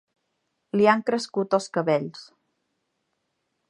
Li han crescut els cabells.